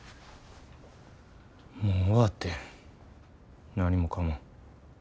もう終わってん何もかも。